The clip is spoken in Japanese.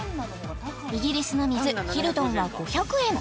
イギリスの水ヒルドンは５００円